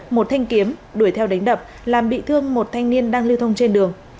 một thanh kiếm đuổi theo đánh đập làm bị thương một thanh niên đang lưu thông trên đường